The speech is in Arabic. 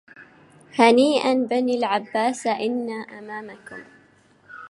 هنيئا بني العباس إن إمامكم